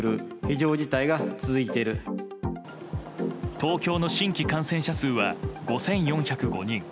東京の新規感染者数は５４０５人。